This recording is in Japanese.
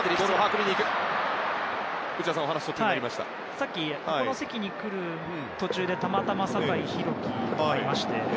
さっきこの席に来る前にたまたま酒井宏樹と会いまして。